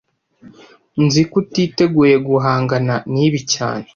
Nzi ko utiteguye guhangana nibi cyane